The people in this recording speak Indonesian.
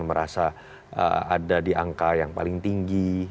merasa ada di angka yang paling tinggi